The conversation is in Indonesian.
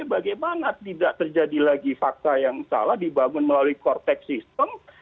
bagaimana tidak terjadi lagi fakta yang salah dibangun melalui kortex system